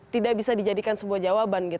tidak bisa dijadikan sebuah jawaban